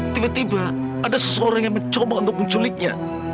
tiba tiba ada seseorang yang mencoba untuk menculiknya